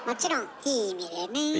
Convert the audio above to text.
いい意味よね。